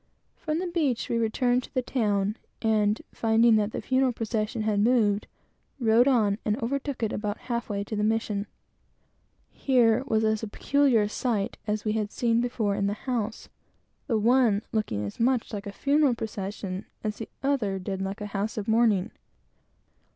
From the beach we returned to the town, and finding that the funeral procession had moved, rode on and overtook it, about half way to the mission. Here was as peculiar a sight as we had seen before in the house; the one looking as much like a funeral procession as the other did like a house of mourning.